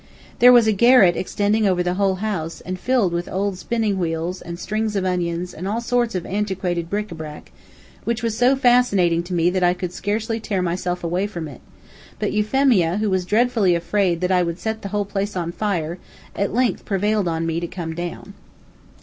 There was a garret extending over the whole house, and filled with old spinning wheels, and strings of onions, and all sorts of antiquated bric a brac, which was so fascinating to me that I could scarcely tear myself away from it; but Euphemia, who was dreadfully afraid that I would set the whole place on fire, at length prevailed on me to come down.